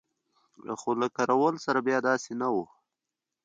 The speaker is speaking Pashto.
خو له کراول سره بیا داسې نه وو.